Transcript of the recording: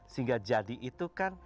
sehingga jadi itu kan